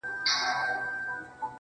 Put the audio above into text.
څه وکړمه لاس کي مي هيڅ څه نه وي~